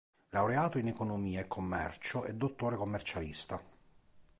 Laureato in Economia e commercio, è dottore commercialista.